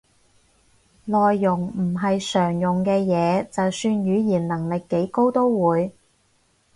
內容唔係常用嘅嘢，就算語言能力幾高都會